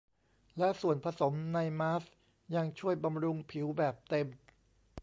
และส่วนผสมในมาสก์ยังช่วยบำรุงผิวแบบเต็ม